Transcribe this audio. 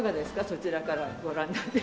そちらからご覧になって。